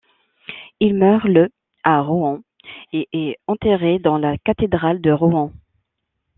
Il meurt le à Rouen et est enterré dans la cathédrale de Rouen.